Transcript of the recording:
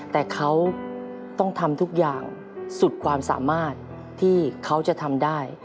แต่เขาต้องทำทุกอย่างสุดความสามารถที่เขาจะทำได้